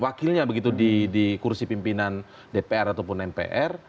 wakilnya begitu di kursi pimpinan dpr ataupun mpr